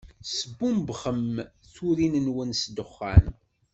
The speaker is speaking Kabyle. Tesbumbxem turin-nwen s ddexxan.